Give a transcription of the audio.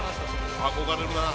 憧れるな。